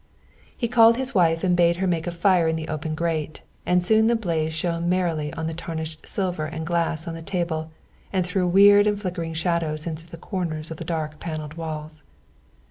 He called his wife and bade her make a fire in the open grate, and soon the blaze shone merrily on the tarnished silver and glass on the table and threw weird and flickering shadows into the corners of the dark panelled walls.